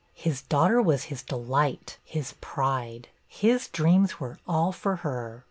His daughter was his delight, his pride. His dreams were all for her.